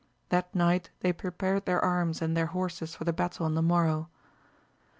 That night they prepared their arms and their horses for the battle on the morrow.